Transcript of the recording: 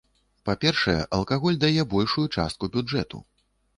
Па-першае, алкаголь дае большую частку бюджэту.